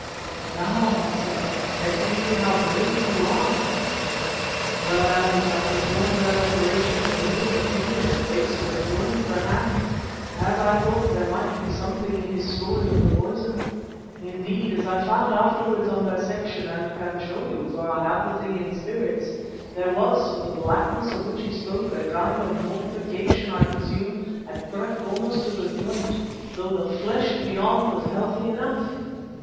"'Now,' I said, 'let me see how brave you are.' "Well, Allan, I performed that operation, removing the finger at the base where it joins the hand, as I thought there might be something in his story of the poison. Indeed, as I found afterwards on dissection, and can show you, for I have the thing in spirits, there was, for the blackness of which he spoke—a kind of mortification, I presume—had crept almost to the joint, though the flesh beyond was healthy enough.